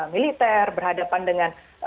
militer berhadapan dengan